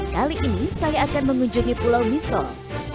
kali ini saya akan mengunjungi pulau misol